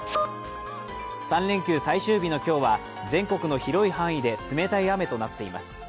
３連休最終日の今日は、全国の広い範囲で冷たい雨となっています。